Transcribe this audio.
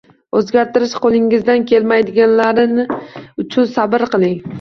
O‘zgartirish qo‘lingizdan kelmaydiganlari uchun sabr qiling